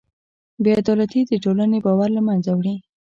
بېعدالتي د ټولنې باور له منځه وړي.